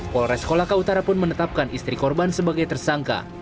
polres kolaka utara pun menetapkan istri korban sebagai tersangka